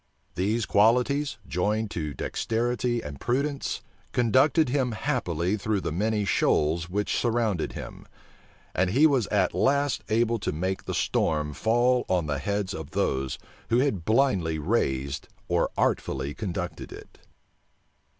These qualities, joined to dexterity and prudence, conducted him happily through the many shoals which surrounded him; and he was at last able to make the storm fall on the heads of those who had blindly raised or artfully conducted it.